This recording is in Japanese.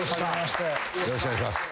よろしくお願いします。